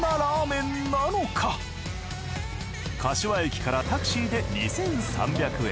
柏駅からタクシーで２，３００円。